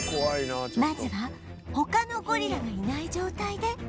まずは他のゴリラがいない状態で